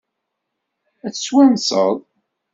Ad t-twanseḍ?